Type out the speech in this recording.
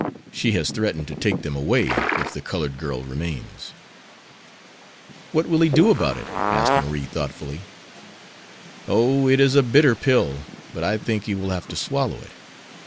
She has threatened to take them away if the colored girl remains." "What will he do about it?" asked Marie, thoughtfully. "Oh, it is a bitter pill, but I think he will have to swallow it.